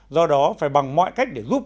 do đó phải bằng mọi cách để giúp